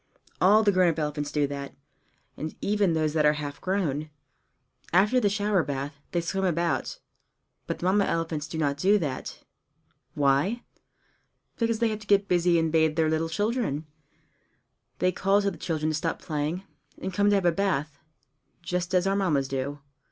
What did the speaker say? All the grown up elephants do that, and even those that are half grown. After the shower bath, they swim about; but the Mamma elephants do not do that. Why? Because they have to get busy and bathe their little children. They call to the children to stop playing, and come and have a bath just as our Mammas do.